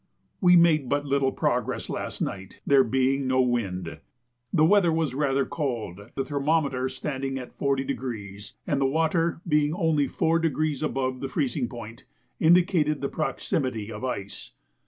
We made but little progress last night, there being no wind. The weather was rather cold, the thermometer standing at 40°, and the water being only 4° above the freezing point indicated the proximity of ice.